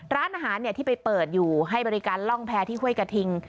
ร้านอาหารที่ไปเปิดอยู่ให้บริการล่องแพรที่ห้วยกระทิง